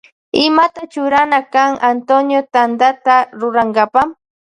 Imata churana kan Antonio Tantata rurankapa.